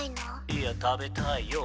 いや食べたいよ